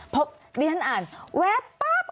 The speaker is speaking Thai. พบนี่ท่านอ่านแวบป๊าบ